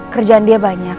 kerjaan dia banyak